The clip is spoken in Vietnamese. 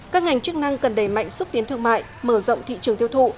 các ngành chức năng cần đẩy mạnh xúc tiến thương mại mở rộng thị trường tiêu thụ